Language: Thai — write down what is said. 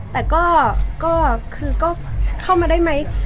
แต่ก็เข้ามาได้ไหม